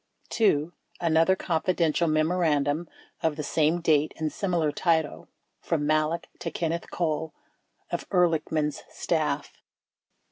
26 2. Another "Confidential" memorandum of the same date and simi lar title from Malek to Kenneth Cole of Ehrlichman's staff.